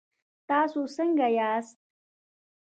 تاسو څنګ ياست؟